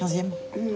うん。